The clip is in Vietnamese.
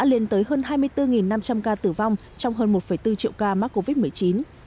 nhiều người dân đức ở nước này đã lên tới hơn hai mươi bốn năm trăm linh ca tử vong trong hơn một bốn triệu ca mắc covid một mươi chín